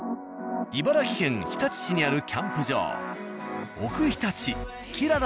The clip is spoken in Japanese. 茨城県日立市にあるキャンプ場。